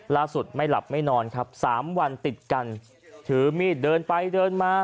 ไม่หลับไม่นอนครับสามวันติดกันถือมีดเดินไปเดินมา